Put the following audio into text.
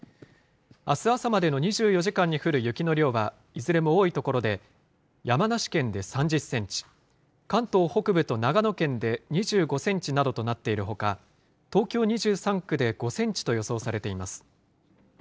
あす朝までの２４時間に降る雪の量は、いずれも多い所で、山梨県で３０センチ、関東北部と長野県で２５センチなどとなっているほか、東京２３区で５センチと予想されています。